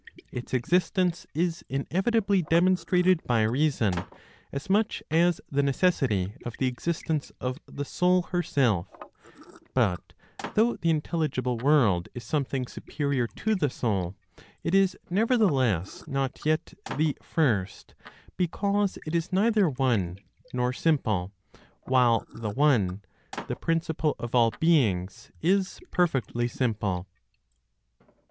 Its existence is inevitably demonstrated by reason, as much as the necessity of the existence of the Soul herself; but though the intelligible world is something superior to the Soul, it is nevertheless not yet the First, because it is neither one, nor simple, while the one, the principle of all beings, is perfectly simple.